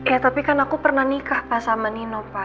ya tapi kan aku pernah nikah pak sama nino pak